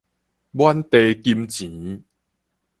滿地金錢